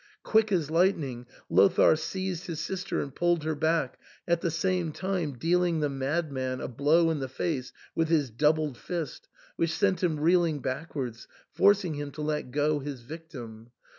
Quick as lightning, Lothair seized his sister and pulled her back, at the same time dealing the madman a blow in the face with his doubled fist, which sent him reeling backwards, forcing him to let go his victim.